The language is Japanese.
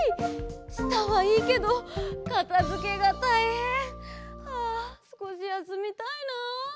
したはいいけどかたづけがたいへん。はあすこしやすみたいな。